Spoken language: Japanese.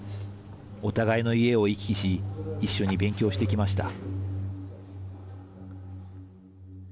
お互いの家を行き来し一緒に勉強してきました。